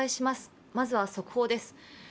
まずは速報です。